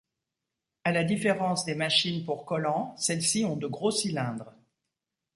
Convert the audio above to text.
À la différence des machines pour collants, celles-ci ont de gros cylindres.